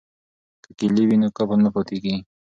که کیلي وي نو قفل نه پاتیږي.